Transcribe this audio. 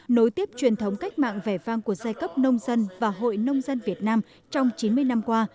nối tiếp truyền thống cách mạng vẻ vang của giai cấp nông dân và hội nông dân việt nam trong chín mươi năm qua